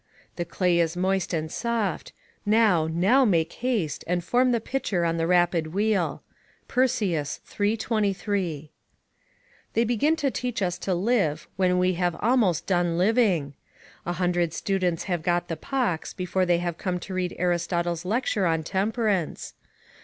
["The clay is moist and soft: now, now make haste, and form the pitcher on the rapid wheel." Persius, iii. 23.] They begin to teach us to live when we have almost done living. A hundred students have got the pox before they have come to read Aristotle's lecture on temperance.